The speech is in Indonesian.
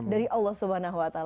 dari allah swt